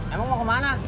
emang mau ke mana